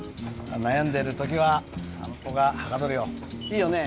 悩んでるときは散歩がはかどるよいいよね